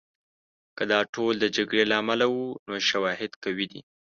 که دا ټول د جګړې له امله وو، نو شواهد قوي دي.